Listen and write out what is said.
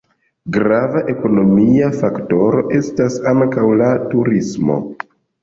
Grava ekonomia faktoro estas ankaŭ la turismo.